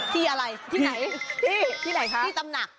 ที่อะไรที่ไหนที่ตำหนัก